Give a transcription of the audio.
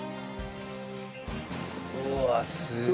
うわっすごい。